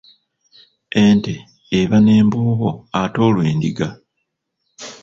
Ente eba n’emboobo ate olwo endiga?